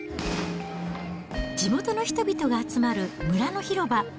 地元の人々が集まる村の広場。